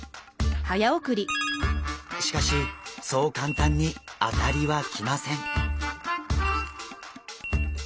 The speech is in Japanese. しかしそう簡単に当たりはきません。